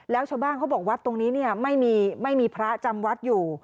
แล้วชาวบ้านเขาบอกวัดตรงนี้เนี่ยไม่มีพระจำวัดอยู่